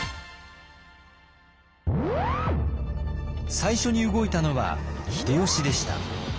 最初に動いたのは秀吉でした。